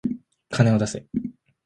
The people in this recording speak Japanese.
金を出せ。